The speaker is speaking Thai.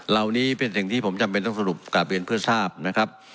เหล่านี้เป็นสิ่งที่ผมจำเป็นต้องสรุปกลับเรียนเพื่อทราบนะครับ